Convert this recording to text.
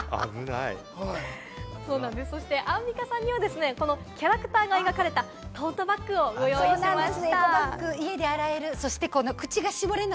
アンミカさんにはキャラクターが描かれたトートバッグをご用意しました。